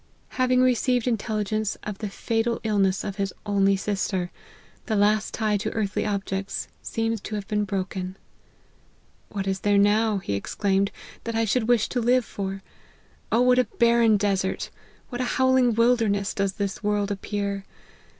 Having received intelligence of the fatal illness of his only sister, the last tie to earthly objects seems to have been broken. " What is there now," he exclaimed, " that I should wish to live for? what a barren desert, what a howling wilderness, does this world appear